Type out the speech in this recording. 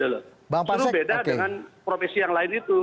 justru beda dengan profesi yang lain itu